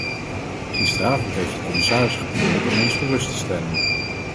Gisteravond heeft de commissaris geprobeerd om ons gerust te stellen.